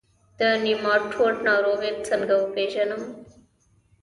د نیماټوډ ناروغي څنګه وپیژنم؟